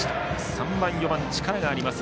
３番、４番力があります